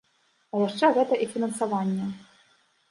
А яшчэ гэта і фінансаванне.